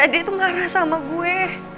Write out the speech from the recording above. dia tuh marah sama gue